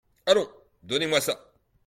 Allons ! donnez-moi ça !